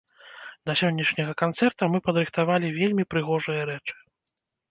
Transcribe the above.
Да сённяшняга канцэрта мы падрыхтавалі вельмі прыгожыя рэчы.